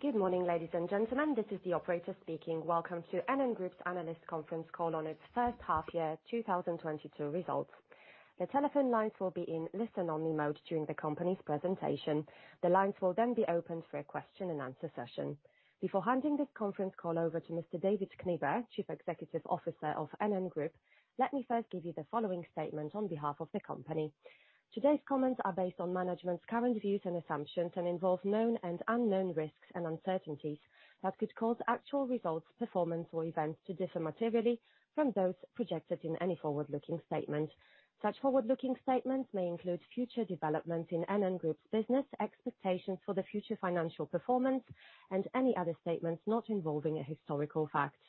Good morning, ladies and gentlemen. This is the operator speaking. Welcome to NN Group's analyst conference call on its first half-year 2022 results. The telephone lines will be in listen-only mode during the company's presentation. The lines will then be opened for a question and answer session. Before handing this conference call over to Mr. David Knibbe, Chief Executive Officer of NN Group, let me first give you the following statement on behalf of the company. Today's comments are based on management's current views and assumptions and involve known and unknown risks and uncertainties that could cause actual results, performance, or events to differ materially from those projected in any forward-looking statement. Such forward-looking statements may include future developments in NN Group's business, expectations for the future financial performance, and any other statements not involving a historical fact.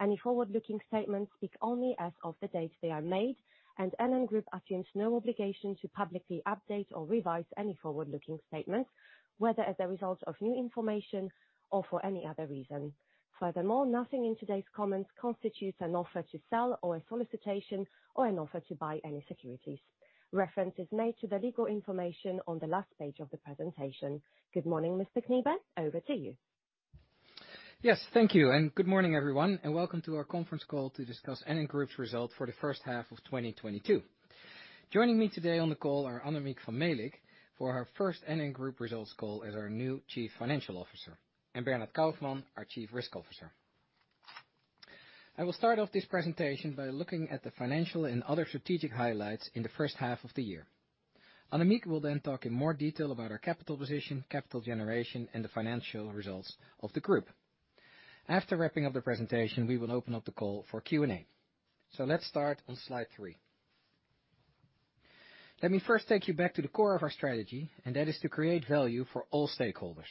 Any forward-looking statements speak only as of the date they are made, and NN Group assumes no obligation to publicly update or revise any forward-looking statements, whether as a result of new information or for any other reason. Furthermore, nothing in today's comments constitutes an offer to sell or a solicitation or an offer to buy any securities. Reference is made to the legal information on the last page of the presentation. Good morning, Mr. Knibbe. Over to you. Yes, thank you. Good morning, everyone, and welcome to our conference call to discuss NN Group's results for the first half of 2022. Joining me today on the call are Annemiek van Melick for her first NN Group results call as our new Chief Financial Officer, and Bernhard Kaufmann, our Chief Risk Officer. I will start off this presentation by looking at the financial and other strategic highlights in the first half of the year. Annemiek will then talk in more detail about our capital position, capital generation, and the financial results of the group. After wrapping up the presentation, we will open up the call for Q&A. Let's start on slide three. Let me first take you back to the core of our strategy, and that is to create value for all stakeholders.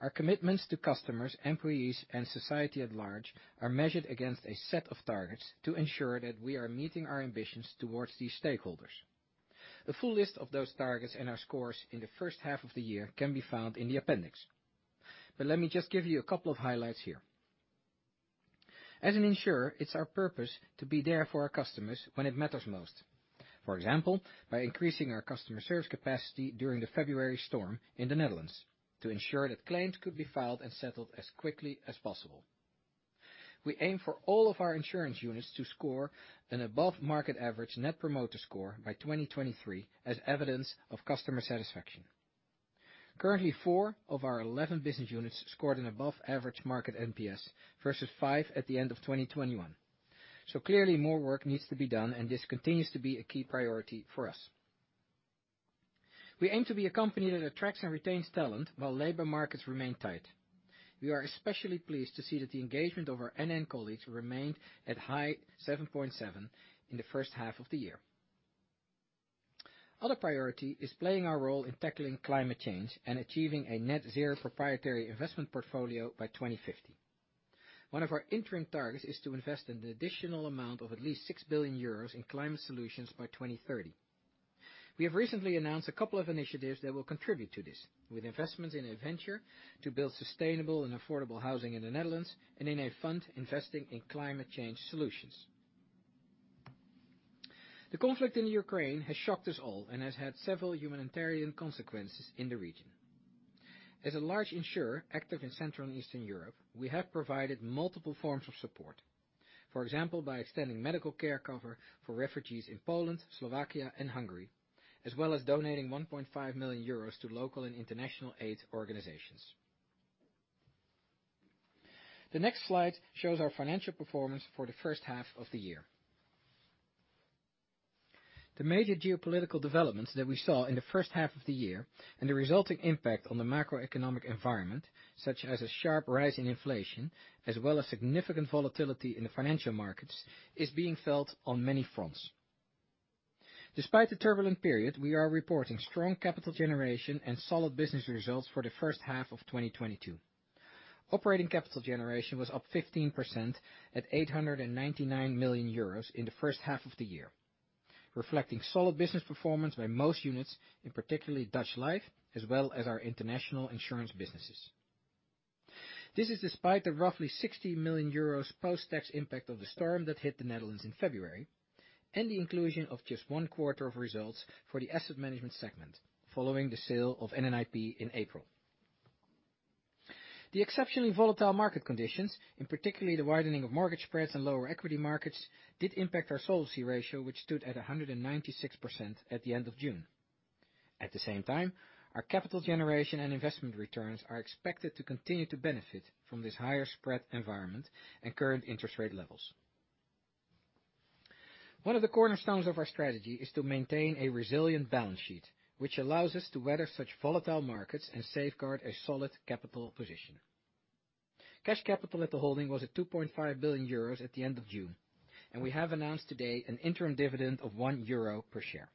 Our commitments to customers, employees, and society at large are measured against a set of targets to ensure that we are meeting our ambitions towards these stakeholders. The full list of those targets and our scores in the first half of the year can be found in the appendix. Let me just give you a couple of highlights here. As an insurer, it's our purpose to be there for our customers when it matters most. For example, by increasing our customer service capacity during the February storm in the Netherlands to ensure that claims could be filed and settled as quickly as possible. We aim for all of our insurance units to score an above market average Net Promoter Score by 2023 as evidence of customer satisfaction. Currently, four of our 11 business units scored an above average market NPS versus five at the end of 2021. Clearly more work needs to be done, and this continues to be a key priority for us. We aim to be a company that attracts and retains talent while labor markets remain tight. We are especially pleased to see that the engagement of our NN colleagues remained at high 7.7 in the first half of the year. Other priority is playing our role in tackling climate change and achieving a net zero proprietary investment portfolio by 2050. One of our interim targets is to invest an additional amount of at least 6 billion euros in climate solutions by 2030. We have recently announced a couple of initiatives that will contribute to this with investments in a venture to build sustainable and affordable housing in the Netherlands and in a fund investing in climate change solutions. The conflict in Ukraine has shocked us all and has had several humanitarian consequences in the region. As a large insurer active in Central and Eastern Europe, we have provided multiple forms of support. For example, by extending medical care cover for refugees in Poland, Slovakia, and Hungary, as well as donating 1.5 million euros to local and international aid organizations. The next slide shows our financial performance for the first half of the year. The major geopolitical developments that we saw in the first half of the year and the resulting impact on the macroeconomic environment, such as a sharp rise in inflation, as well as significant volatility in the financial markets, is being felt on many fronts. Despite the turbulent period, we are reporting strong capital generation and solid business results for the first half of 2022. Operating capital generation was up 15% at 899 million euros in the first half of the year, reflecting solid business performance by most units, in particular Netherlands Life, as well as our international insurance businesses. This is despite the roughly 60 million euros post-tax impact of the storm that hit the Netherlands in February, and the inclusion of just one quarter of results for the asset management segment following the sale of NNIP in April. The exceptionally volatile market conditions, in particular the widening of mortgage spreads and lower equity markets, did impact our solvency ratio, which stood at 196% at the end of June. At the same time, our capital generation and investment returns are expected to continue to benefit from this higher spread environment and current interest rate levels. One of the cornerstones of our strategy is to maintain a resilient balance sheet, which allows us to weather such volatile markets and safeguard a solid capital position. Cash capital at the holding was at 2.5 billion euros at the end of June, and we have announced today an interim dividend of 1 euro per share.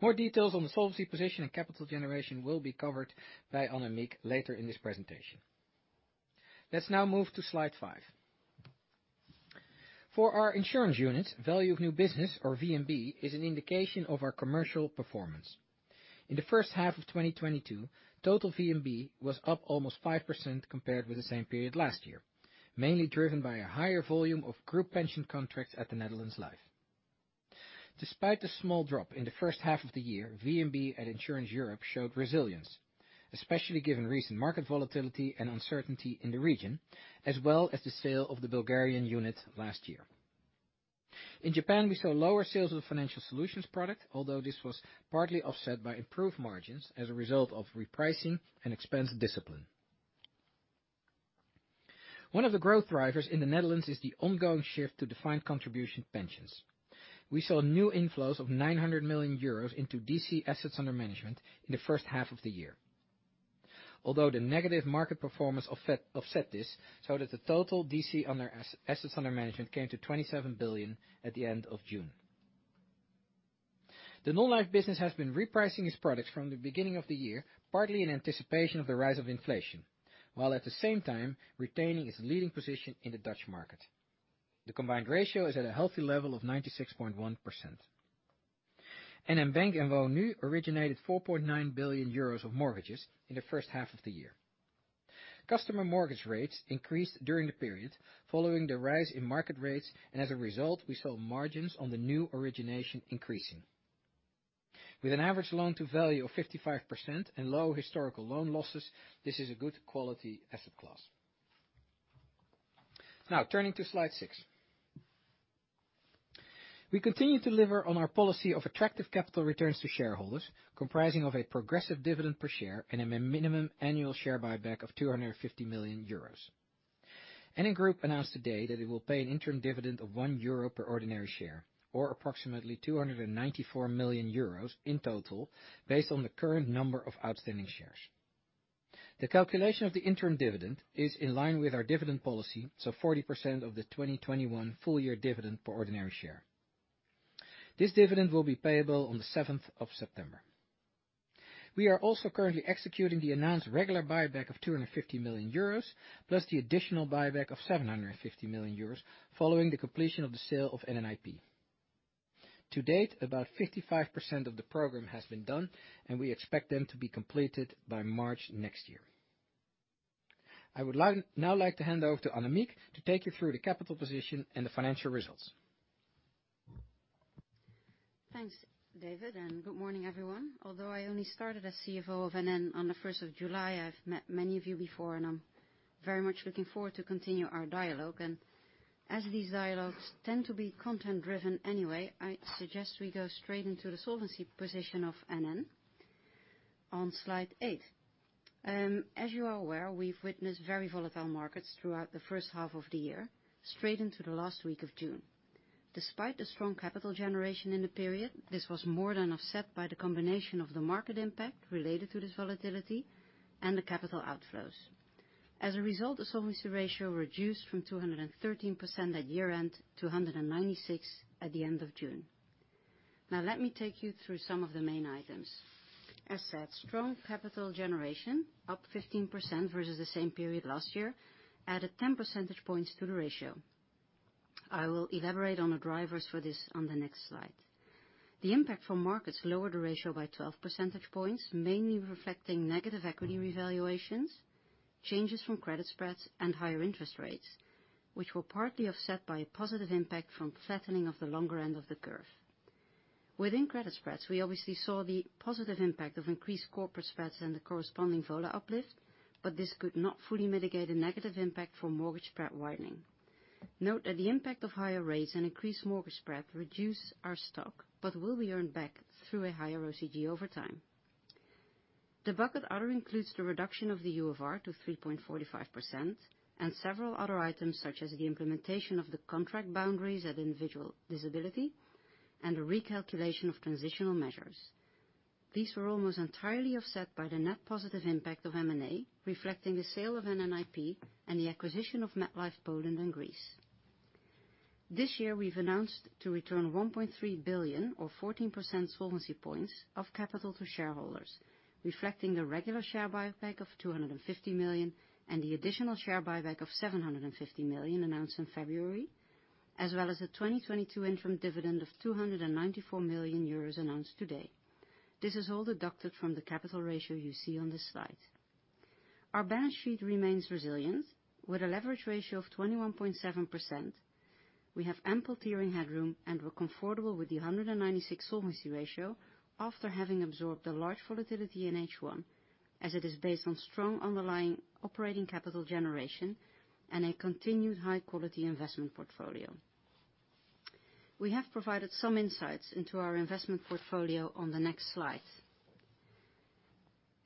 More details on the solvency position and capital generation will be covered by Annemiek later in this presentation. Let's now move to slide five. For our insurance units, value of new business or VNB, is an indication of our commercial performance. In the first half of 2022, total VNB was up almost 5% compared with the same period last year, mainly driven by a higher volume of group pension contracts at the Netherlands Life. Despite the small drop in the first half of the year, VNB at Insurance Europe showed resilience, especially given recent market volatility and uncertainty in the region, as well as the sale of the Bulgarian unit last year. In Japan, we saw lower sales of financial solutions product, although this was partly offset by improved margins as a result of repricing and expense discipline. One of the growth drivers in the Netherlands is the ongoing shift to defined contribution pensions. We saw new inflows of 900 million euros into DC assets under management in the first half of the year. Although the negative market performance offset this so that the total DC assets under management came to 27 billion at the end of June. The non-life business has been repricing its products from the beginning of the year, partly in anticipation of the rise of inflation, while at the same time retaining its leading position in the Dutch market. The combined ratio is at a healthy level of 96.1%. NN Bank and Woonnu originated 4.9 billion euros of mortgages in the first half of the year. Customer mortgage rates increased during the period following the rise in market rates, and as a result, we saw margins on the new origination increasing. With an average loan to value of 55% and low historical loan losses, this is a good quality asset class. Now turning to slide six. We continue to deliver on our policy of attractive capital returns to shareholders, comprising of a progressive dividend per share and a minimum annual share buyback of 250 million euros. NN Group announced today that it will pay an interim dividend of 1 euro per ordinary share, or approximately 294 million euros in total, based on the current number of outstanding shares. The calculation of the interim dividend is in line with our dividend policy, so 40% of the 2021 full year dividend per ordinary share. This dividend will be payable on the seventh of September. We are also currently executing the announced regular buyback of 250 million euros, plus the additional buyback of 750 million euros following the completion of the sale of NNIP. To date, about 55% of the program has been done, and we expect them to be completed by March next year. I would like now, like, to hand over to Annemiek to take you through the capital position and the financial results. Thanks, David, and good morning, everyone. Although I only started as CFO of NN on the first of July, I've met many of you before and I'm very much looking forward to continue our dialogue. As these dialogues tend to be content driven anyway, I suggest we go straight into the solvency position of NN on slide 8. As you are aware, we've witnessed very volatile markets throughout the first half of the year, straight into the last week of June. Despite the strong capital generation in the period, this was more than offset by the combination of the market impact related to this volatility and the capital outflows. As a result, the solvency ratio reduced from 213% at year-end to 196% at the end of June. Now let me take you through some of the main items. As said, strong capital generation, up 15% versus the same period last year, added 10 percentage points to the ratio. I will elaborate on the drivers for this on the next slide. The impact from markets lowered the ratio by 12 percentage points, mainly reflecting negative equity revaluations, changes from credit spreads, and higher interest rates, which were partly offset by a positive impact from flattening of the longer end of the curve. Within credit spreads, we obviously saw the positive impact of increased corporate spreads and the corresponding VOLA uplift, but this could not fully mitigate the negative impact from mortgage spread widening. Note that the impact of higher rates and increased mortgage spread reduce our stock, but will be earned back through a higher OCG over time. The bucket other includes the reduction of the UFR to 3.45% and several other items such as the implementation of the contract boundaries at individual disability and a recalculation of transitional measures. These were almost entirely offset by the net positive impact of M&A, reflecting the sale of NNIP and the acquisition of MetLife Poland and Greece. This year, we've announced to return 1.3 billion or 14% solvency points of capital to shareholders, reflecting the regular share buyback of 250 million and the additional share buyback of 750 million announced in February, as well as the 2022 interim dividend of 294 million euros announced today. This is all deducted from the capital ratio you see on this slide. Our balance sheet remains resilient with a leverage ratio of 21.7%. We have ample tiering headroom, and we're comfortable with the 196 solvency ratio after having absorbed the large volatility in H1, as it is based on strong underlying operating capital generation and a continued high-quality investment portfolio. We have provided some insights into our investment portfolio on the next slide.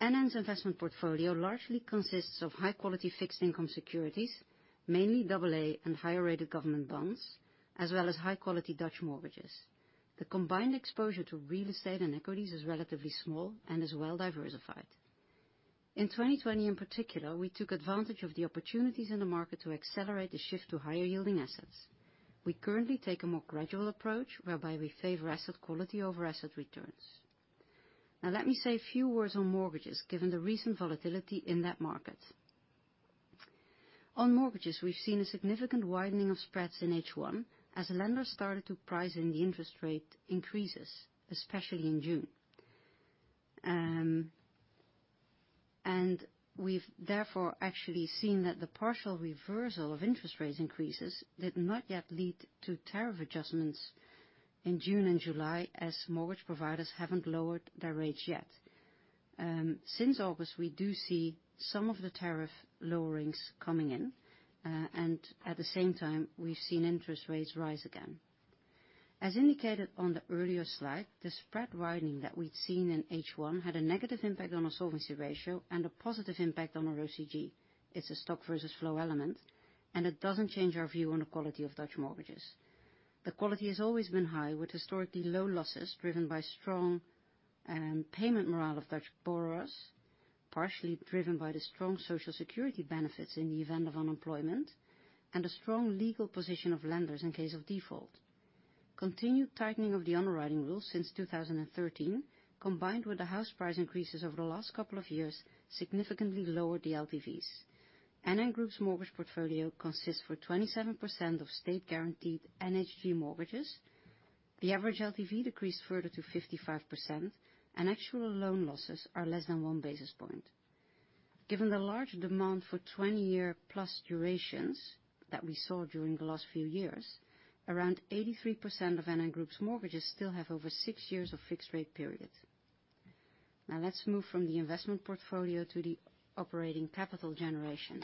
NN's investment portfolio largely consists of high-quality fixed income securities, mainly double A and higher rated government bonds, as well as high-quality Dutch mortgages. The combined exposure to real estate and equities is relatively small and is well diversified. In 2020 in particular, we took advantage of the opportunities in the market to accelerate the shift to higher yielding assets. We currently take a more gradual approach whereby we favor asset quality over asset returns. Now let me say a few words on mortgages, given the recent volatility in that market. On mortgages, we've seen a significant widening of spreads in H1 as lenders started to price in the interest rate increases, especially in June. We've therefore actually seen that the partial reversal of interest rates increases did not yet lead to tariff adjustments in June and July, as mortgage providers haven't lowered their rates yet. Since August, we do see some of the tariff lowerings coming in, and at the same time we've seen interest rates rise again. As indicated on the earlier slide, the spread widening that we'd seen in H1 had a negative impact on our solvency ratio and a positive impact on our OCG. It's a stock versus flow element, and it doesn't change our view on the quality of Dutch mortgages. The quality has always been high, with historically low losses driven by strong payment morale of Dutch borrowers, partially driven by the strong social security benefits in the event of unemployment and a strong legal position of lenders in case of default. Continued tightening of the underwriting rules since 2013, combined with the house price increases over the last couple of years, significantly lowered the LTVs. NN Group's mortgage portfolio consists of 27% of state-guaranteed NHG mortgages. The average LTV decreased further to 55%, and actual loan losses are less than one basis point. Given the large demand for 20-year+ durations that we saw during the last few years, around 83% of NN Group's mortgages still have over six years of fixed rate periods. Now let's move from the investment portfolio to the operating capital generation.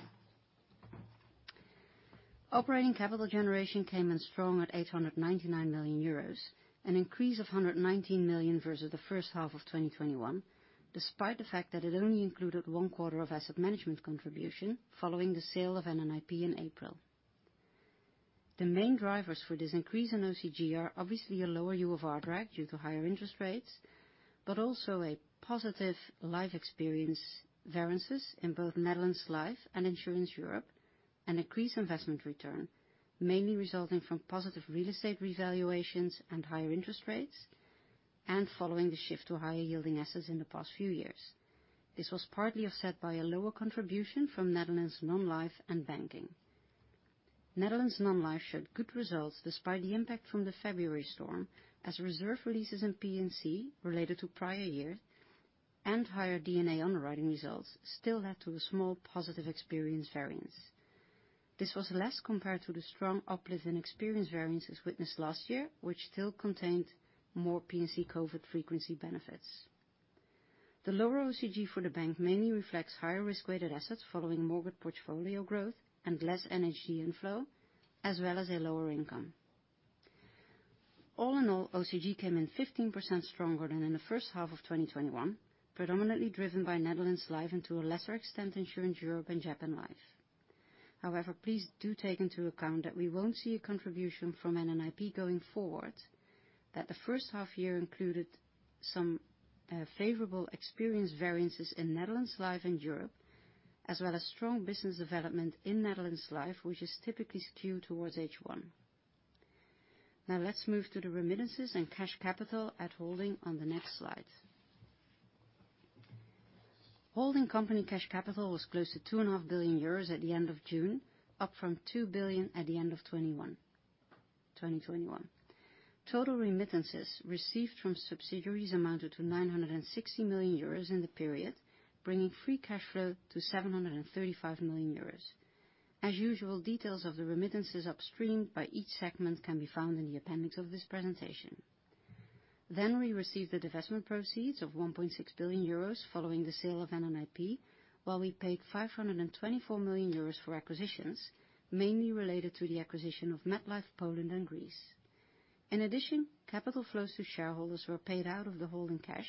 Operating capital generation came in strong at 899 million euros, an increase of 119 million versus the first half of 2021, despite the fact that it only included one quarter of asset management contribution following the sale of NNIP in April. The main drivers for this increase in OCG are obviously a lower UFR drag due to higher interest rates, but also a positive life experience variances in both Netherlands Life and Insurance Europe, and increased investment return, mainly resulting from positive real estate revaluations and higher interest rates, and following the shift to higher yielding assets in the past few years. This was partly offset by a lower contribution from Netherlands Non-Life and Banking. Netherlands Non-Life showed good results despite the impact from the February storm, as reserve releases in P&C related to prior year and higher D&A underwriting results still led to a small positive experience variance. This was less compared to the strong uplift in experience variances witnessed last year, which still contained more P&C COVID frequency benefits. The lower OCG for the bank mainly reflects higher risk-weighted assets following mortgage portfolio growth and less energy inflow, as well as a lower income. All in all, OCG came in 15% stronger than in the first half of 2021, predominantly driven by Netherlands Life and to a lesser extent, Insurance Europe and Japan Life. However, please do take into account that we won't see a contribution from NNIP going forward, that the first half year included some favorable experience variances in Netherlands Life and Europe, as well as strong business development in Netherlands Life, which is typically skewed towards H1. Now let's move to the remittances and cash capital at holding on the next slide. Holding company cash capital was close to 2.5 billion euros at the end of June, up from 2 billion at the end of 2021. Total remittances received from subsidiaries amounted to 960 million euros in the period, bringing free cash flow to 735 million euros. As usual, details of the remittances upstreamed by each segment can be found in the appendix of this presentation. We received the divestment proceeds of 1.6 billion euros following the sale of NNIP, while we paid 524 million euros for acquisitions, mainly related to the acquisition of MetLife Poland and Greece. In addition, capital flows to shareholders were paid out of the holding cash,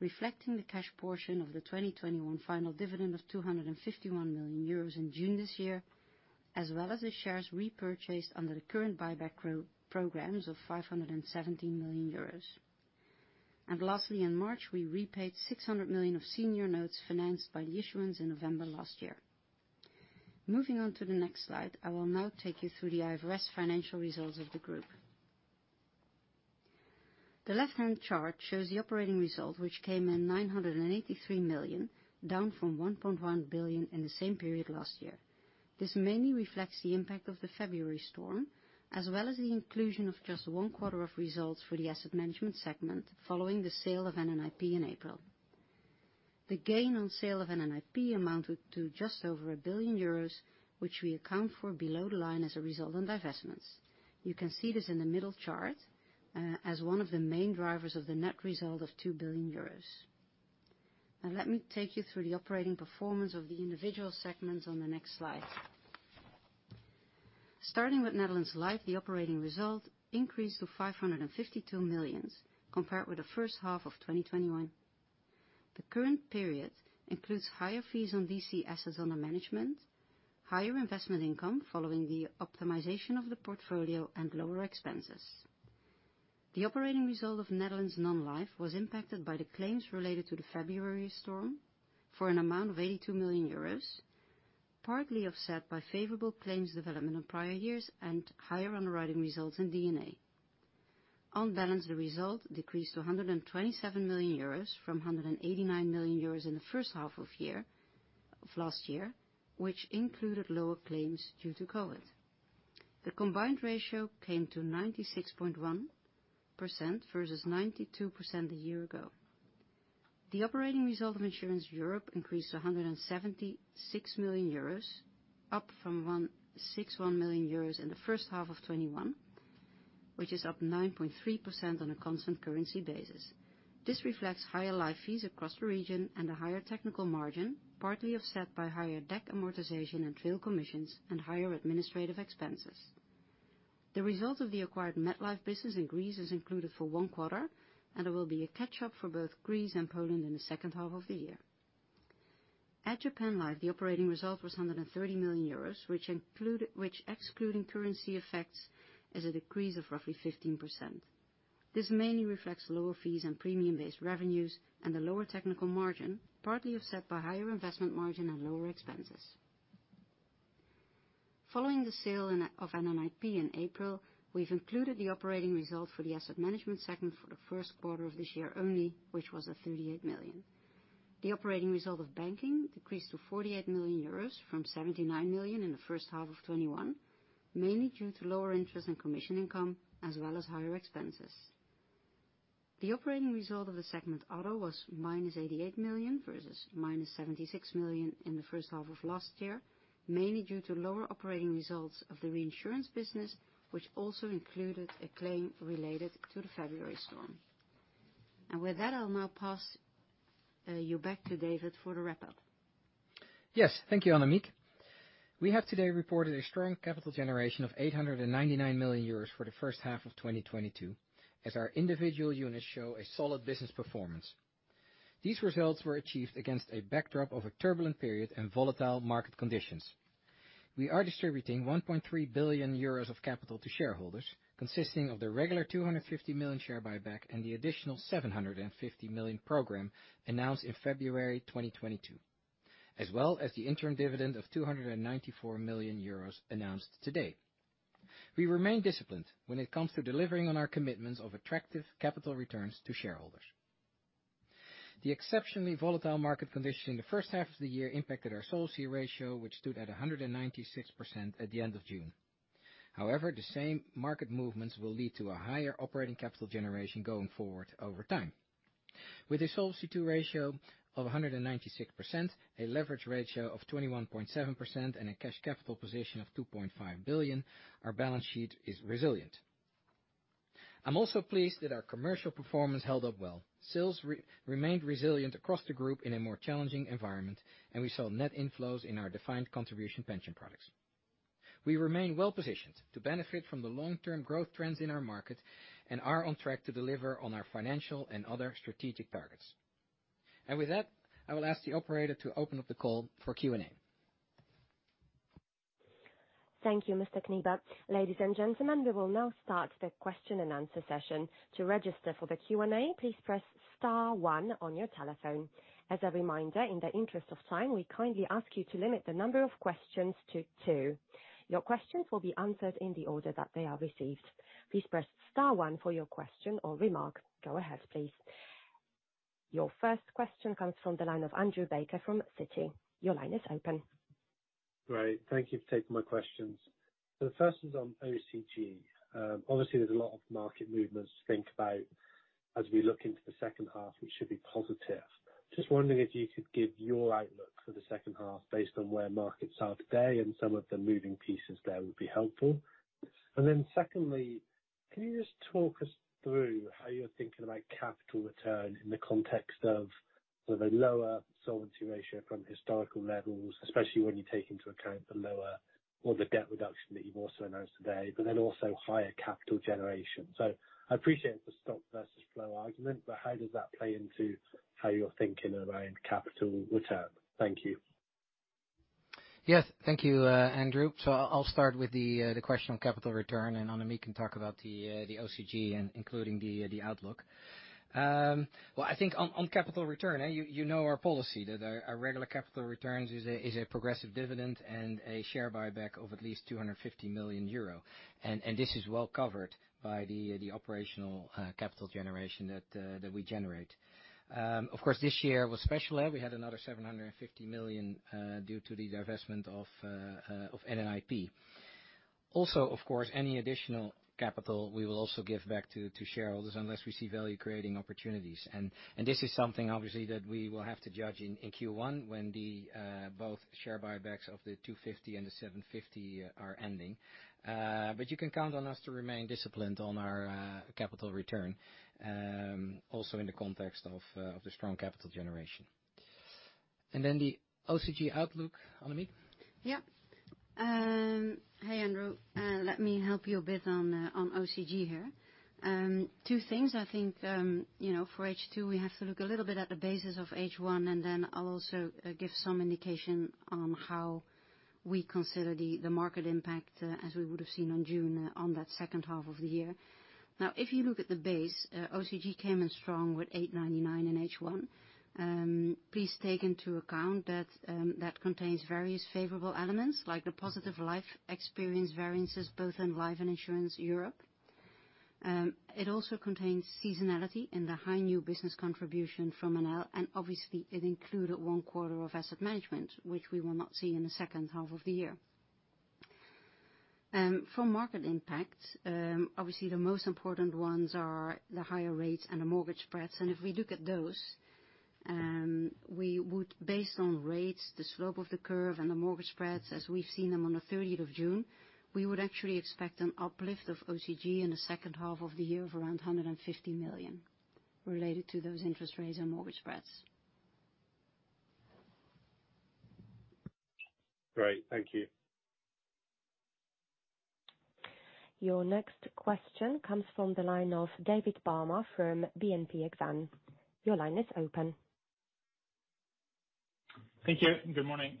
reflecting the cash portion of the 2021 final dividend of 251 million euros in June this year, as well as the shares repurchased under the current buyback programs of 517 million euros. Lastly, in March, we repaid 600 million of senior notes financed by the issuance in November last year. Moving on to the next slide, I will now take you through the IFRS financial results of the group. The left-hand chart shows the operating result, which came in 983 million, down from 1.1 billion in the same period last year. This mainly reflects the impact of the February storm, as well as the inclusion of just one quarter of results for the asset management segment following the sale of NNIP in April. The gain on sale of NNIP amounted to just over 1 billion euros, which we account for below the line as a result on divestments. You can see this in the middle chart, as one of the main drivers of the net result of 2 billion euros. Now let me take you through the operating performance of the individual segments on the next slide. Starting with Netherlands Life, the operating result increased to 552 million compared with the first half of 2021. The current period includes higher fees on DC assets under management, higher investment income following the optimization of the portfolio, and lower expenses. The operating result of Netherlands Non-Life was impacted by the claims related to the February storm for an amount of 82 million euros, partly offset by favorable claims development in prior years and higher underwriting results in D&A. On balance, the result decreased to 127 million euros from 189 million euros in the first half of last year, which included lower claims due to COVID. The combined ratio came to 96.1% versus 92% a year ago. The operating result of Insurance Europe increased to 176 million euros, up from 161 million euros in the first half of 2021, which is up 9.3% on a constant currency basis. This reflects higher life fees across the region and a higher technical margin, partly offset by higher debt amortization and trail commissions and higher administrative expenses. The result of the acquired MetLife business in Greece is included for one quarter, and there will be a catch-up for both Greece and Poland in the second half of the year. At Japan Life, the operating result was 130 million euros, which excluding currency effects is a decrease of roughly 15%. This mainly reflects lower fees and premium-based revenues and a lower technical margin, partly offset by higher investment margin and lower expenses. Following the sale of NNIP in April, we've included the operating result for the asset management segment for the first quarter of this year only, which was at 38 million. The operating result of banking decreased to 48 million euros from 79 million in the first half of 2021, mainly due to lower interest and commission income as well as higher expenses. The operating result of the segment auto was -88 million versus -76 million in the first half of last year, mainly due to lower operating results of the reinsurance business, which also included a claim related to the February storm. With that, I'll now pass you back to David for the wrap-up. Yes. Thank you, Annemiek. We have today reported a strong capital generation of 899 million euros for the first half of 2022, as our individual units show a solid business performance. These results were achieved against a backdrop of a turbulent period and volatile market conditions. We are distributing 1.3 billion euros of capital to shareholders, consisting of the regular 250 million share buyback and the additional 750 million program announced in February 2022, as well as the interim dividend of 294 million euros announced today. We remain disciplined when it comes to delivering on our commitments of attractive capital returns to shareholders. The exceptionally volatile market condition in the first half of the year impacted our solvency ratio, which stood at 196% at the end of June. However, the same market movements will lead to a higher operating capital generation going forward over time. With a Solvency II ratio of 196%, a leverage ratio of 21.7%, and a cash capital position of 2.5 billion, our balance sheet is resilient. I'm also pleased that our commercial performance held up well. Sales remained resilient across the group in a more challenging environment, and we saw net inflows in our defined contribution pension products. We remain well-positioned to benefit from the long-term growth trends in our market and are on track to deliver on our financial and other strategic targets. With that, I will ask the operator to open up the call for Q&A. Thank you, Mr. Knibbe. Ladies and gentlemen, we will now start the question-and-answer session. To register for the Q&A, please press star one on your telephone. As a reminder, in the interest of time, we kindly ask you to limit the number of questions to two. Your questions will be answered in the order that they are received. Please press star one for your question or remark. Go ahead, please. Your first question comes from the line of Andrew Baker from Citi. Your line is open. Great. Thank you for taking my questions. The first is on OCG. Obviously there's a lot of market movements to think about as we look into the second half, which should be positive. Just wondering if you could give your outlook for the second half based on where markets are today and some of the moving pieces there would be helpful. Then secondly, can you just talk us through how you're thinking about capital return in the context of sort of a lower solvency ratio from historical levels, especially when you take into account the lower or the debt reduction that you've also announced today, but then also higher capital generation. I appreciate the stock versus flow argument, but how does that play into how you're thinking around capital return? Thank you. Yes. Thank you, Andrew. I'll start with the question on capital return, and Annemiek can talk about the OCG, including the outlook. I think on capital return, you know our policy that our regular capital returns is a progressive dividend and a share buyback of at least 250 million euro. This is well covered by the operational capital generation that we generate. Of course this year was special. We had another 750 million due to the divestment of NNIP. Also, of course, any additional capital we will also give back to shareholders unless we see value-creating opportunities. This is something obviously that we will have to judge in Q1 when both share buybacks of the 250 and the 750 are ending. You can count on us to remain disciplined on our capital return also in the context of the strong capital generation. The OCG outlook, Annemiek? Yeah. Hi, Andrew. Let me help you a bit on OCG here. Two things. I think, you know, for H2, we have to look a little bit at the basis of H1, and then I'll also give some indication on how we consider the market impact as we would have seen in June for that second half of the year. Now, if you look at the base, OCG came in strong with 899 in H1. Please take into account that that contains various favorable elements like the positive life experience variances both in Life and Insurance Europe. It also contains seasonality in the high new business contribution from NL, and obviously it included one quarter of asset management, which we will not see in the second half of the year. For market impact, obviously the most important ones are the higher rates and the mortgage spreads. If we look at those, we would, based on rates, the slope of the curve, and the mortgage spreads as we've seen them on the thirtieth of June, we would actually expect an uplift of OCG in the second half of the year of around 150 million related to those interest rates and mortgage spreads. Great. Thank you. Your next question comes from the line of David Barma from BNP Exane. Your line is open. Thank you. Good morning.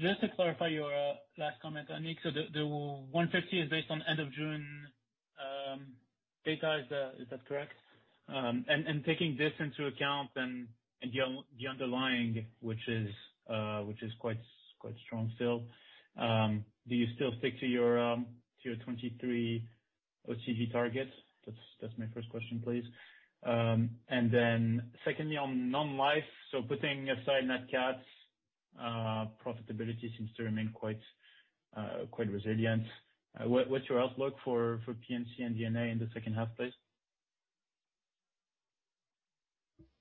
Just to clarify your last comment, Annemiek, the 150 is based on end of June data. Is that correct? Taking this into account and the underlying, which is quite strong still, do you still stick to your 2023 OCG targets? That's my first question, please. Then secondly on non-life, putting aside net cats, profitability seems to remain quite resilient. What's your outlook for P&C and D&A in the second half, please?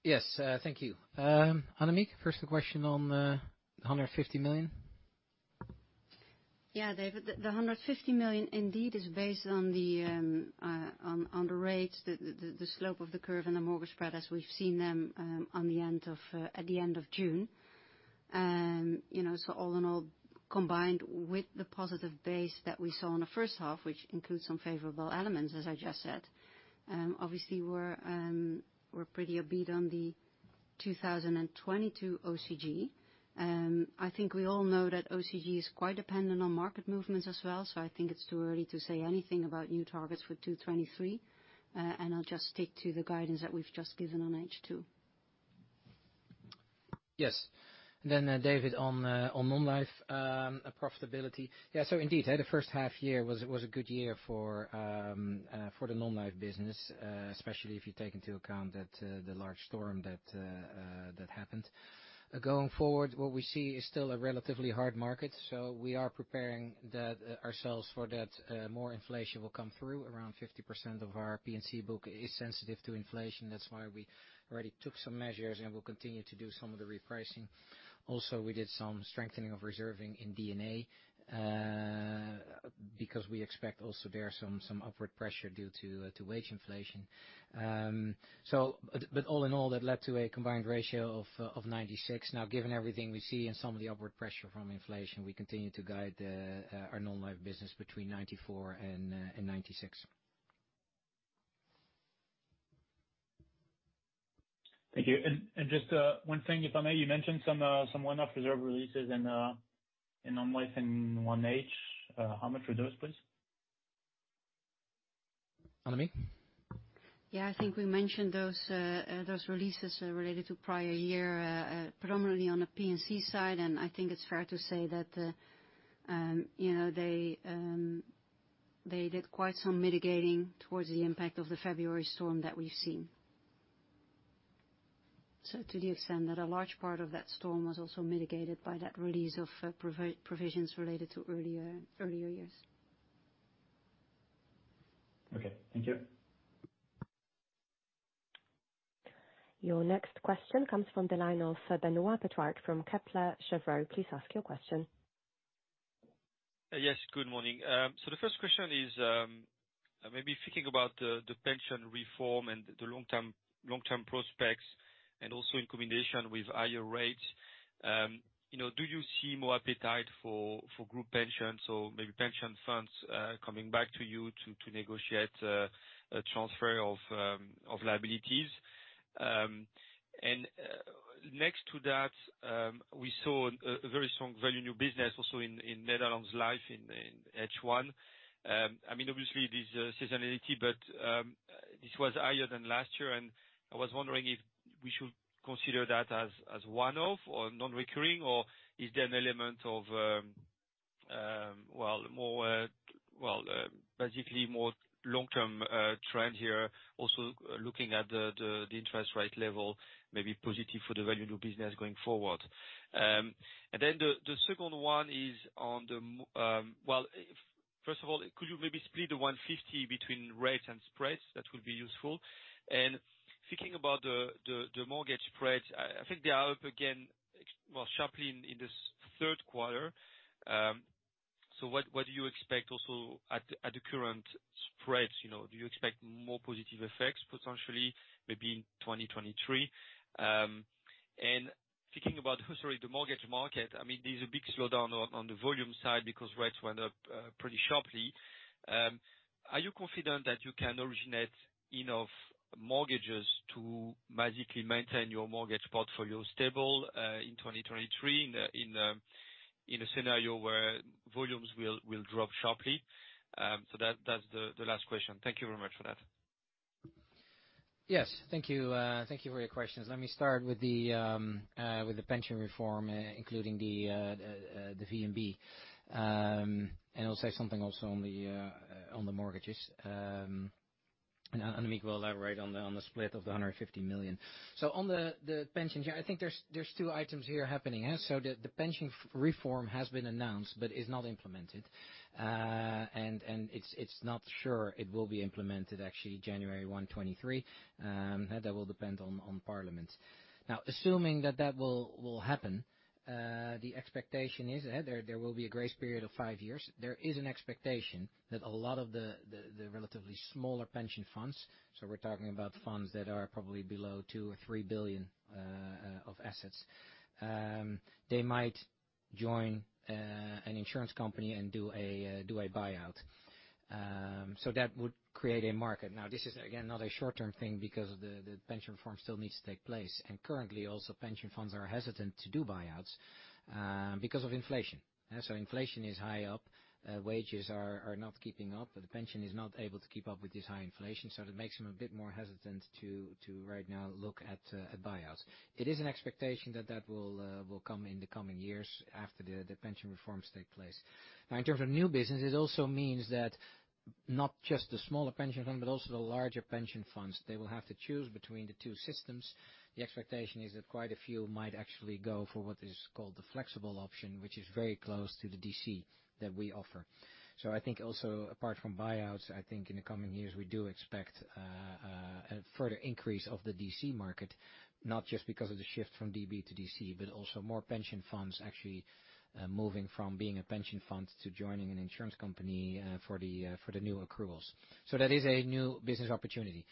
Yes. Thank you. Annemiek, first a question on 150 million. Yeah, David, the 150 million indeed is based on the rates, the slope of the curve and the mortgage spread as we've seen them at the end of June. You know, all in all, combined with the positive base that we saw in the first half, which includes some favorable elements, as I just said, obviously we're pretty upbeat on the 2022 OCG. I think we all know that OCG is quite dependent on market movements as well. I think it's too early to say anything about new targets for 2023. I'll just stick to the guidance that we've just given on H2. Yes. Then, David, on non-life profitability. Yeah, so indeed, the first half year was a good year for the non-life business, especially if you take into account that the large storm that happened. Going forward, what we see is still a relatively hard market, so we are preparing ourselves for that. More inflation will come through. Around 50% of our P&C book is sensitive to inflation. That's why we already took some measures and will continue to do some of the repricing. Also, we did some strengthening of reserving in D&A because we expect also there some upward pressure due to wage inflation. All in all, that led to a combined ratio of 96%. Now, given everything we see and some of the upward pressure from inflation, we continue to guide our non-life business between 94% and 96%. Thank you. Just one thing if I may. You mentioned some one-off reserve releases in non-life in 1H. How much were those, please? Annemiek? I think we mentioned those releases related to prior year predominantly on the P&C side, and I think it's fair to say that, you know, they did quite some mitigating towards the impact of the February storm that we've seen. To the extent that a large part of that storm was also mitigated by that release of provisions related to earlier years. Okay. Thank you. Your next question comes from the line of Benoit Petrarque from Kepler Cheuvreux. Please ask your question. Yes. Good morning. The first question is, maybe thinking about the pension reform and the long-term prospects and also in combination with higher rates, you know, do you see more appetite for group pensions or maybe pension funds coming back to you to negotiate a transfer of liabilities? Next to that, we saw a very strong value new business also in Netherlands Life in H1. I mean, obviously there's seasonality, but this was higher than last year, and I was wondering if we should consider that as one-off or non-recurring, or is there an element of, well, basically more long-term trend here also looking at the interest rate level, maybe positive for the value new business going forward? Then the second one is, well, first of all, could you maybe split the 150 between rates and spreads? That would be useful. Thinking about the mortgage spreads, I think they are up again, well, sharply in this third quarter. What do you expect also at the current spreads, you know? Do you expect more positive effects potentially, maybe in 2023? Thinking about the mortgage market, I mean, there's a big slowdown on the volume side because rates went up pretty sharply. Are you confident that you can originate enough mortgages to basically maintain your mortgage portfolio stable in 2023 in a scenario where volumes will drop sharply? That's the last question. Thank you very much for that. Yes. Thank you for your questions. Let me start with the pension reform, including the VNB. I'll say something also on the mortgages. Annemiek will elaborate on the split of 150 million. On the pension, yeah, I think there's two items here happening. The pension reform has been announced but is not implemented. It's not sure it will be implemented actually January 1, 2023. That will depend on parliament. Now, assuming that will happen, the expectation is there will be a grace period of five years. There is an expectation that a lot of the relatively smaller pension funds, so we're talking about funds that are probably below 2 or 3 billion of assets. They might join an insurance company and do a buyout. That would create a market. This is again not a short-term thing because the pension reform still needs to take place. Currently, also pension funds are hesitant to do buyouts because of inflation. Inflation is high up, wages are not keeping up. The pension is not able to keep up with this high inflation. It makes them a bit more hesitant to right now look at buyouts. It is an expectation that that will come in the coming years after the pension reforms take place. Now, in terms of new business, it also means that not just the smaller pension fund, but also the larger pension funds, they will have to choose between the two systems. The expectation is that quite a few might actually go for what is called the flexible option, which is very close to the DC that we offer. I think also apart from buyouts, I think in the coming years, we do expect a further increase of the DC market, not just because of the shift from DB to DC, but also more pension funds actually moving from being a pension fund to joining an insurance company for the new accruals. That is a new business opportunity.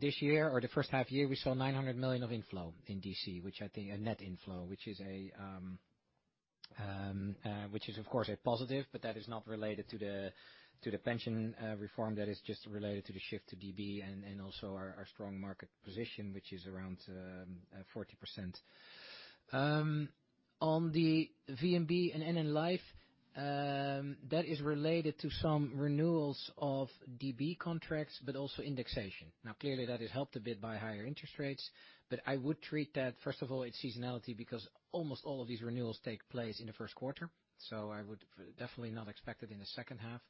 This year or the first half year, we saw 900 million of inflow in DC, which I think a net inflow, which is of course a positive, but that is not related to the pension reform. That is just related to the shift to DB and also our strong market position, which is around 40%. On the VNB and NN Life, that is related to some renewals of DB contracts but also indexation. Now clearly that is helped a bit by higher interest rates. I would treat that, first of all, it's seasonality because almost all of these renewals take place in the first quarter, so I would definitely not expect it in the second half.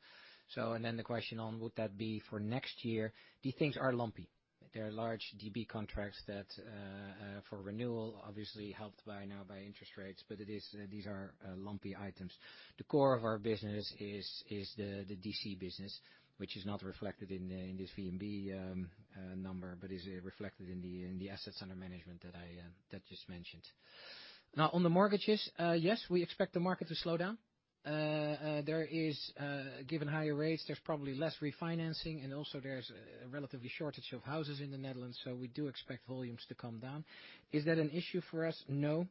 Then the question on would that be for next year? These things are lumpy. They are large DB contracts that for renewal obviously helped by now by interest rates. It is these are lumpy items. The core of our business is the DC business, which is not reflected in this VNB number, but is reflected in the assets under management that I just mentioned. Now on the mortgages, yes, we expect the market to slow down. Given higher rates, there's probably less refinancing and also there's a relative shortage of houses in the Netherlands, so we do expect volumes to come down. Is that an issue for us? No,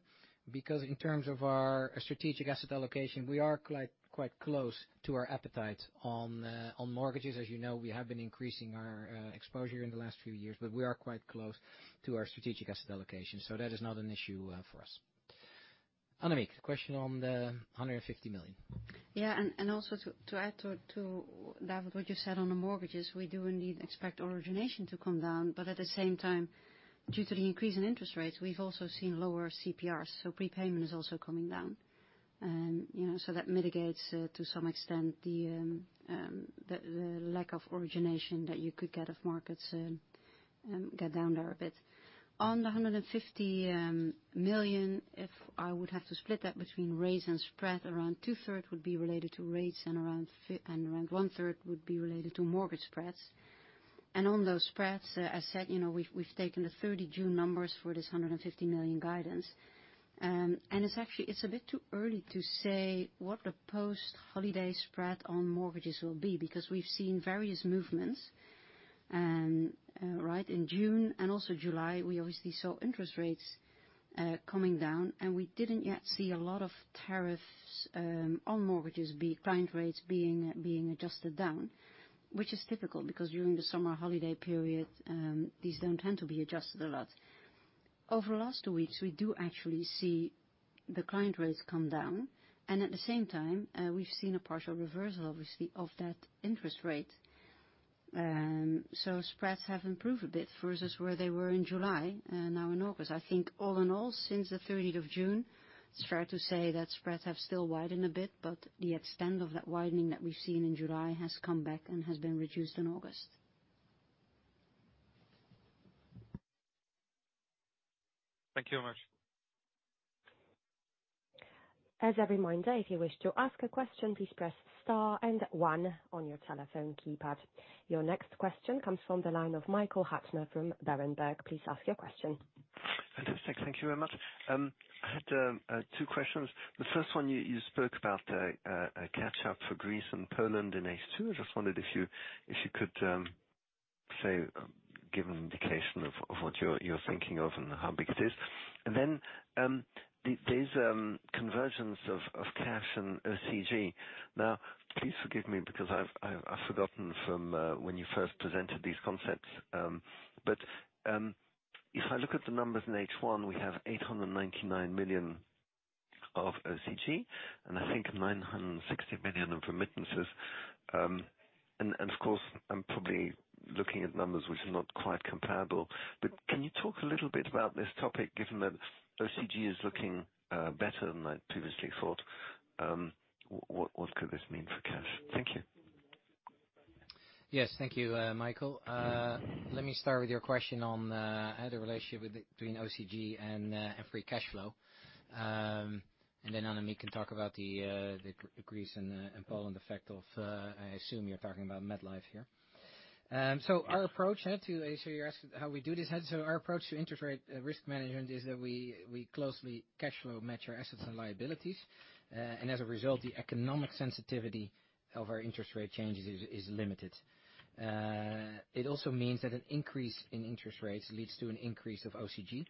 because in terms of our strategic asset allocation, we are quite close to our appetite on mortgages. As you know, we have been increasing our exposure in the last few years, but we are quite close to our strategic asset allocation. That is not an issue for us. Annemiek, question on the 150 million. Also to add to David, what you said on the mortgages, we do indeed expect origination to come down, but at the same time, due to the increase in interest rates, we've also seen lower CPRs, so prepayment is also coming down. You know, that mitigates to some extent the lack of origination that you could get if markets get down there a bit. On the 150 million, if I would have to split that between rates and spread, around two-thirds would be related to rates and around one-third would be related to mortgage spreads. On those spreads, as said, you know, we've taken the 30 June numbers for this 150 million guidance. It's actually a bit too early to say what the post-holiday spread on mortgages will be because we've seen various movements, right? In June and also July, we obviously saw interest rates coming down and we didn't yet see a lot of tariffs on mortgages, client rates being adjusted down, which is typical because during the summer holiday period, these don't tend to be adjusted a lot. Over the last weeks, we do actually see the client rates come down, and at the same time, we've seen a partial reversal obviously of that interest rate. Spreads have improved a bit versus where they were in July and now in August. I think all in all, since the thirtieth of June, it's fair to say that spreads have still widened a bit, but the extent of that widening that we've seen in July has come back and has been reduced in August. Thank you very much. As a reminder, if you wish to ask a question, please press star and one on your telephone keypad. Your next question comes from the line of Michael Huttner from Berenberg. Please ask your question. Fantastic. Thank you very much. I had two questions. The first one, you spoke about a catch-up for Greece and Poland in H2. I just wondered if you could give an indication of what you're thinking of and how big it is. Then, this convergence of cash and OCG. Now, please forgive me because I've forgotten from when you first presented these concepts, but if I look at the numbers in H1, we have 899 million of OCG, and I think 960 million of remittances. And of course, I'm probably looking at numbers which are not quite comparable. But can you talk a little bit about this topic, given that OCG is looking better than I previously thought? What could this mean for cash? Thank you. Yes. Thank you, Michael. Let me start with your question on how the relationship between OCG and free cash flow. Then Annemiek can talk about the Greece and Poland effect of, I assume you're talking about MetLife here. Our approach to interest rate risk management is that we closely cash flow match our assets and liabilities. As a result, the economic sensitivity of our interest rate changes is limited. It also means that an increase in interest rates leads to an increase of OCG.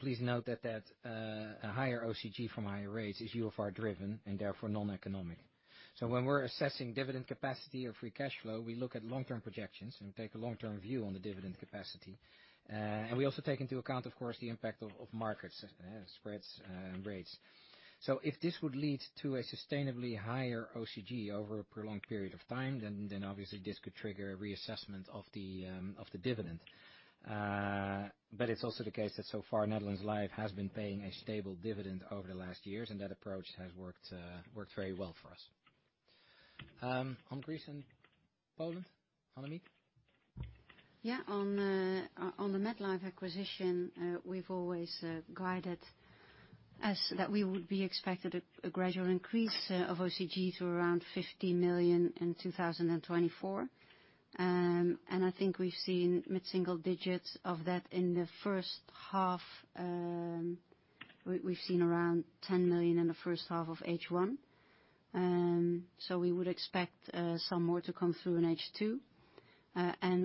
Please note that a higher OCG from higher rates is UFR driven and therefore noneconomic. When we're assessing dividend capacity or free cash flow, we look at long-term projections and take a long-term view on the dividend capacity. We also take into account, of course, the impact of markets, spreads, and rates. If this would lead to a sustainably higher OCG over a prolonged period of time, then obviously this could trigger a reassessment of the dividend. It's also the case that so far Netherlands Life has been paying a stable dividend over the last years, and that approach has worked very well for us. On Greece and Poland, Annemiek. Yeah. On the MetLife acquisition, we've always guided that we would expect a gradual increase of OCG to around 50 million in 2024. I think we've seen mid-single digits of that in the first half. We've seen around 10 million in the first half of H1. We would expect some more to come through in H2.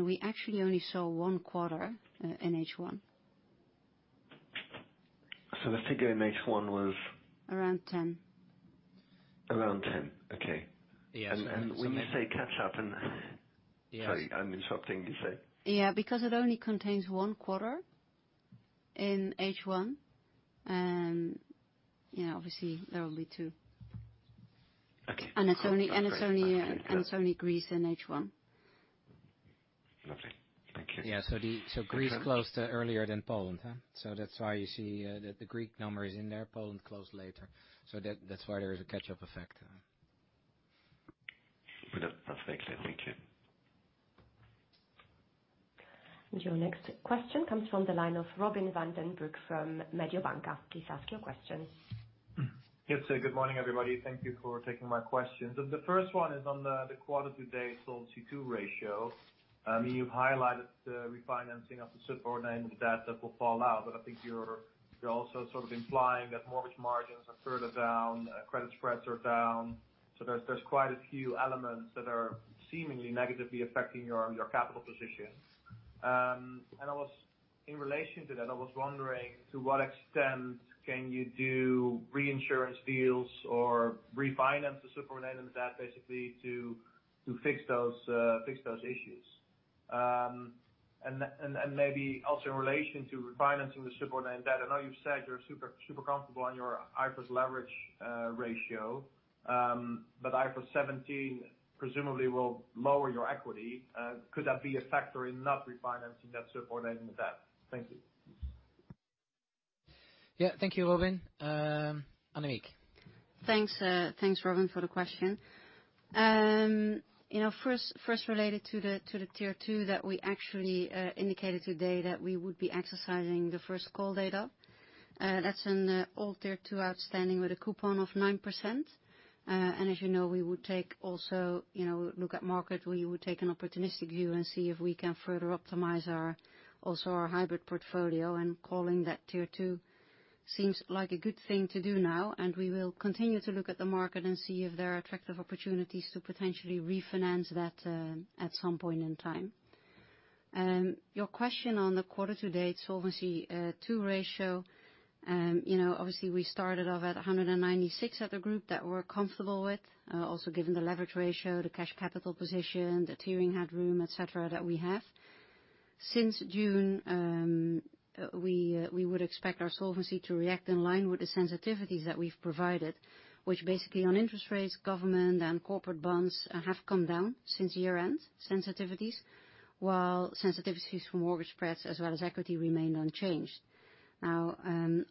We actually only saw one quarter in H1. The figure in H1 was? Around 10. Around 10. Okay. Yes. When you say catch up and. Yes. Sorry, I'm interrupting you, say. Yeah. Because it only contains 1 quarter in H1. Yeah, obviously there are only 2. Okay. It's only Greece in H1. Lovely. Thank you. Yeah. Greece closed earlier than Poland, huh? That's why you see the Greek numbers in there. Poland closed later. That's why there is a catch-up effect. That's very clear. Thank you. Your next question comes from the line of Robin van den Broek from Mediobanca. Please ask your question. Yes. Good morning, everybody. Thank you for taking my questions. The first one is on the quarter to date Solvency II ratio. You've highlighted the refinancing of the subordinated debt that will fall out, but I think you're also sort of implying that mortgage margins are further down, credit spreads are down. There's quite a few elements that are seemingly negatively affecting your capital position. In relation to that, I was wondering to what extent can you do reinsurance deals or refinance the subordinated debt basically to fix those issues? Maybe also in relation to refinancing the subordinated debt. I know you've said you're super comfortable on your IFRS leverage ratio, but IFRS 17 presumably will lower your equity. Could that be a factor in not refinancing that subordinate debt? Thank you. Yeah. Thank you, Robin. Annemiek. Thanks, Robin, for the question. First related to the Tier 2 that we actually indicated today that we would be exercising the first call date. That's all Tier 2 outstanding with a coupon of 9%. As you know, we would also take a look at the market. We would take an opportunistic view and see if we can further optimize our hybrid portfolio. Calling that Tier 2 seems like a good thing to do now, and we will continue to look at the market and see if there are attractive opportunities to potentially refinance that at some point in time. Your question on the quarter-to-date Solvency II ratio. You know, obviously we started off at 196% at the group that we're comfortable with, also given the leverage ratio, the cash capital position, the tiering headroom, et cetera, that we have. Since June, we would expect our solvency to react in line with the sensitivities that we've provided, which basically on interest rates, government and corporate bonds have come down since year-end sensitivities, while sensitivities from mortgage spreads as well as equity remained unchanged. Now,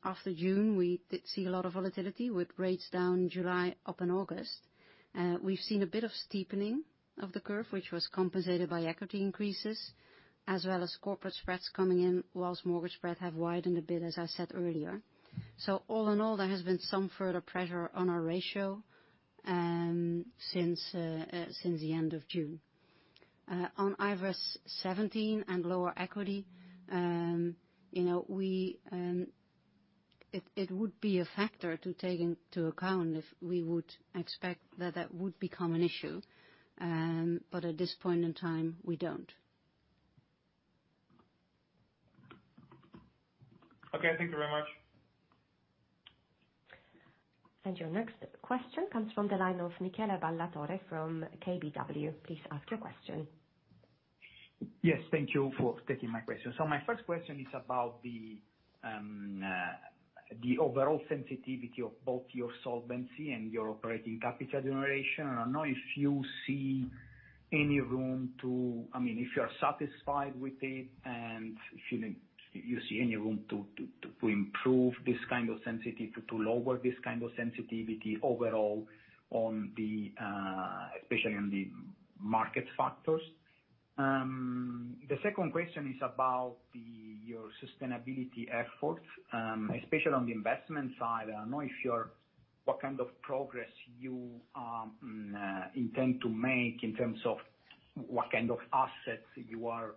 after June, we did see a lot of volatility with rates down in July, up in August. We've seen a bit of steepening of the curve, which was compensated by equity increases as well as corporate spreads coming in, whilst mortgage spreads have widened a bit, as I said earlier. All in all, there has been some further pressure on our ratio since the end of June. On IFRS 17 and lower equity, you know, it would be a factor to take into account if we would expect that would become an issue. At this point in time, we don't. Okay. Thank you very much. Your next question comes from the line of Michele Ballatore from KBW. Please ask your question. Yes, thank you for taking my question. My first question is about the overall sensitivity of both your solvency and your operating capital generation. I don't know if you see any room. I mean, if you are satisfied with it, and if you see any room to improve this kind of sensitivity, to lower this kind of sensitivity overall, especially on the market factors. The second question is about your sustainability efforts, especially on the investment side. I don't know. What kind of progress you intend to make in terms of what kind of assets you are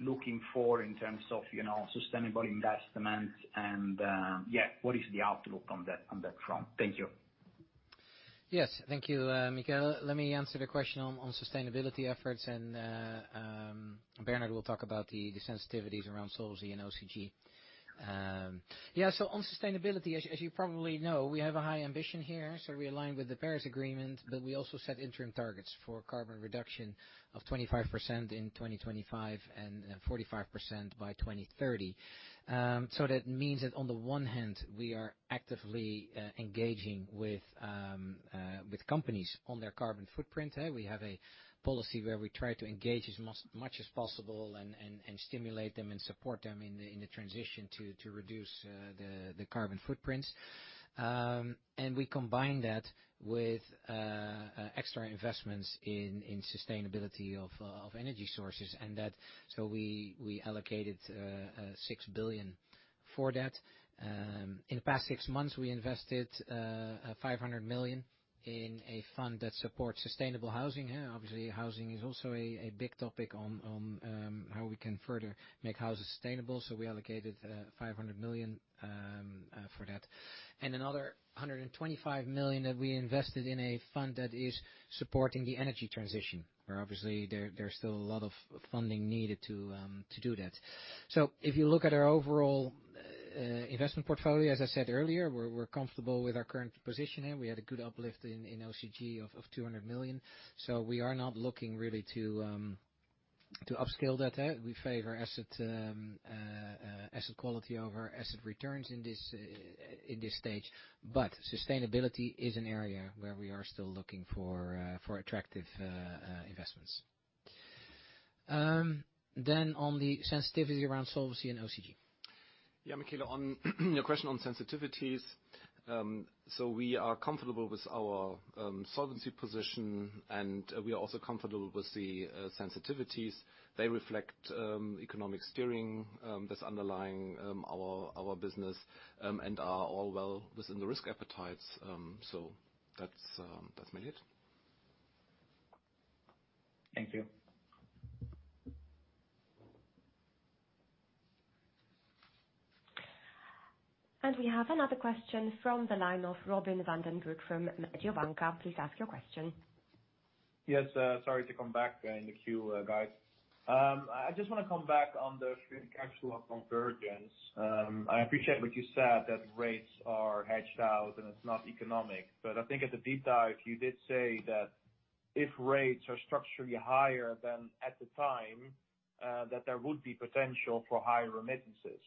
looking for in terms of, you know, sustainable investments and, yeah, what is the outlook on that front? Thank you. Yes. Thank you, Michela. Let me answer the question on sustainability efforts, and Bernhard will talk about the sensitivities around solvency and OCG. On sustainability, as you probably know, we have a high ambition here, so we align with the Paris Agreement, but we also set interim targets for carbon reduction of 25% in 2025, and 45% by 2030. That means that on the one hand, we are actively engaging with companies on their carbon footprint. We have a policy where we try to engage as much as possible and stimulate them and support them in the transition to reduce the carbon footprints. We combine that with extra investments in sustainability of energy sources. We allocated 6 billion for that. In the past six months, we invested 500 million in a fund that supports sustainable housing, yeah. Obviously, housing is also a big topic on how we can further make houses sustainable, so we allocated 500 million for that. Another 125 million that we invested in a fund that is supporting the energy transition, where obviously there's still a lot of funding needed to do that. If you look at our overall investment portfolio, as I said earlier, we're comfortable with our current positioning. We had a good uplift in OCG of 200 million. We are not looking really to upscale that. We favor asset quality over asset returns in this stage. Sustainability is an area where we are still looking for attractive investments. On the sensitivity around solvency and OCG. Yeah, Michele, on your question on sensitivities. We are comfortable with our solvency position, and we are also comfortable with the sensitivities. They reflect economic steering that's underlying our business and are all well within the risk appetites. That's made it. Thank you. We have another question from the line of Robin van den Broek from ING Bank. Please ask your question. Yes. Sorry to come back in the queue, guys. I just wanna come back on the financial convergence. I appreciate what you said, that rates are hedged out, and it's not economic. I think at the deep dive, you did say that if rates are structurally higher than at the time, that there would be potential for higher remittances.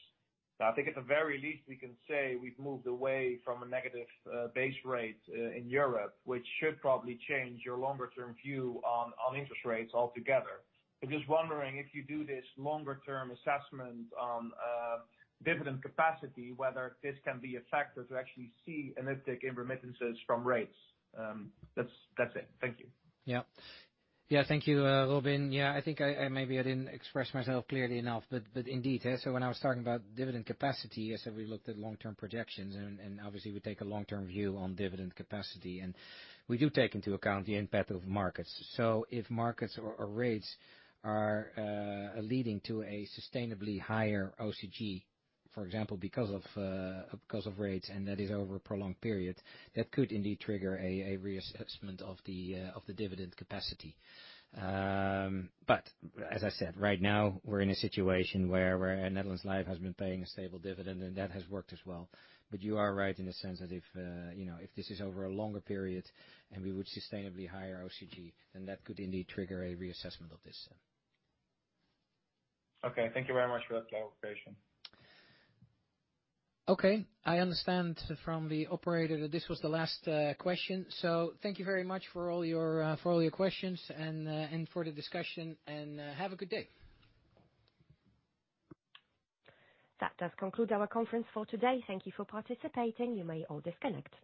I think at the very least we can say we've moved away from a negative base rate in Europe, which should probably change your longer-term view on interest rates altogether. I'm just wondering, if you do this longer-term assessment on dividend capacity, whether this can be a factor to actually see an uptick in remittances from rates. That's it. Thank you. Yeah. Yeah. Thank you, Robin van den Broek. I think maybe I didn't express myself clearly enough, but indeed. When I was talking about dividend capacity, I said we looked at long-term projections and obviously we take a long-term view on dividend capacity. We do take into account the impact of markets. If markets or rates are leading to a sustainably higher OCG, for example, because of rates, and that is over a prolonged period, that could indeed trigger a reassessment of the dividend capacity. As I said, right now we're in a situation where Netherlands Life has been paying a stable dividend, and that has worked as well. You are right in the sense that if, you know, if this is over a longer period and we would sustainably higher OCG, then that could indeed trigger a reassessment of this then. Okay. Thank you very much for that clarification. Okay. I understand from the operator that this was the last question. Thank you very much for all your questions and for the discussion, and have a good day. That does conclude our conference for today. Thank you for participating. You may all disconnect.